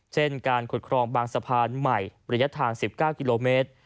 เช่นการขุดครองบางสะพานใหม่ระยะทาง๑๙กิโลเมตร